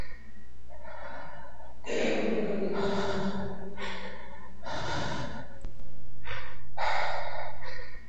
কদিন আগে এলিফ্যান্ট রোডের একটি দোকানে শীতলপাটি কিনতে এসেছিলেন সুমনা হক।